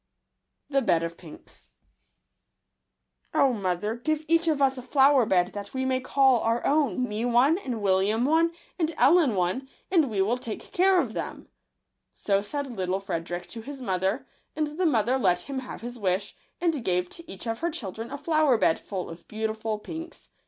£ 83 Digitized by Google ©I )t of yinfc*, MOTHER, give each of us a fl° wer "^ e< ^ that we may call our own — me one > an< ^ William one, and EH en one — an( j we w m take care of them. — So said little Frederick to his mother; and the mother let him have his wish, and gave to each of her children a flower bed full of beautiful pinks.